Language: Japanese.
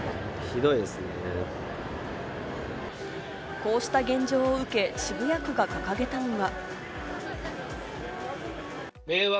こうした現状を受けて、渋谷区が掲げたのが。